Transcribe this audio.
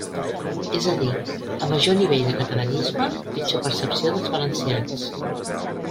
És a dir, a major nivell de catalanisme, pitjor percepció dels valencians.